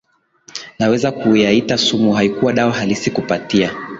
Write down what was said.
naweza ku kuyaita sumu haikuwa dawa halisi kupatia